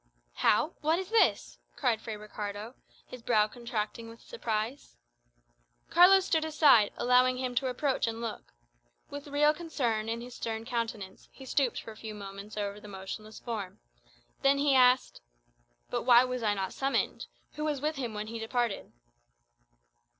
"How? what is this?" cried Fray Ricardo, his brow contracting with surprise. Carlos stood aside, allowing him to approach and look. With real concern in his stern countenance, he stooped for a few moments over the motionless form. Then he asked, "But why was I not summoned? Who was with him when he departed?"